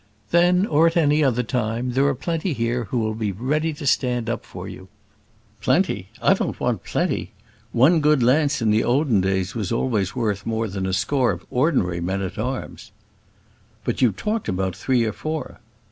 "Then, or at any other time, there are plenty here who will be ready to stand up for you." "Plenty! I don't want plenty: one good lance in the olden days was always worth more than a score of ordinary men at arms." "But you talked about three or four."